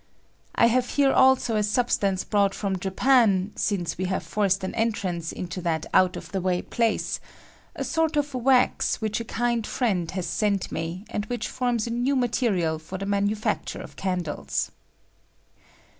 I have here also a substance brought from Japan since we have &rced an entrance into that out of the way place — a sort of wax which a kind friend has sent me, and which forms a new material for •the manufacture of candles.